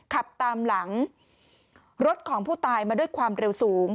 ขับตามหลังรถของผู้ตายมาด้วยความเร็วสูง